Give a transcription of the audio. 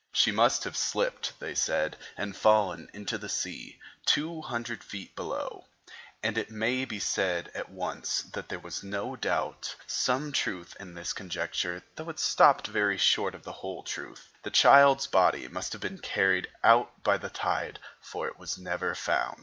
She must have slipped, they said, and fallen into the sea, two hundred feet below. And, it may be said at once, that there was no doubt some truth in this conjecture, though it stopped very far short of the whole truth. The child's body must have been carried out by the tide, for it was never found.